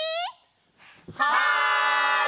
はい！